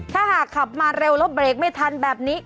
ถ้าหากขับมาเร็วแล้วเบรกไม่ทันแบบนี้